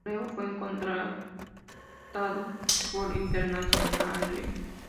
Luego fue contratado por Internazionale.